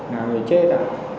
là người chết